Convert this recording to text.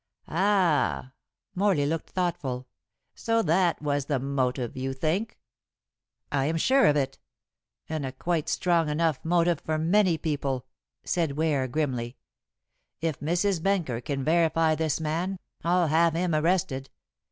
"Ah!" Morley looked thoughtful. "So that was the motive, you think?" "I am sure of it, and a quite strong enough motive for many people," said Ware grimly. "If Mrs. Benker can verify this man, I'll have him arrested.